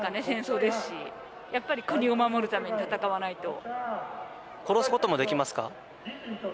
戦争ですしやっぱり国を守るために戦わないと殺すこともできますか？